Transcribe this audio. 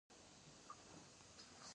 پکتیا د افغان ماشومانو د لوبو موضوع ده.